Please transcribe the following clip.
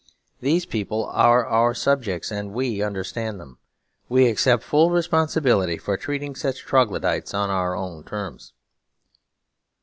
These people are our subjects; and we understand them. We accept full responsibility for treating such troglodytes on our own terms.'